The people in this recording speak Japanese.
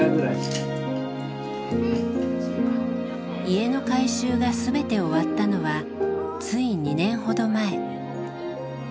家の改修が全て終わったのはつい２年ほど前。